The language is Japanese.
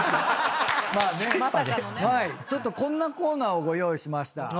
ちょっとこんなコーナーをご用意しました。